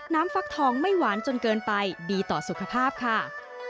ฟักทองไม่หวานจนเกินไปดีต่อสุขภาพค่ะ